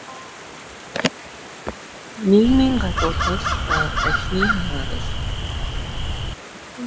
Нийгмийн гадуурхал ба архины хамаарал